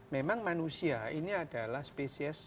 memang manusia ini adalah spesies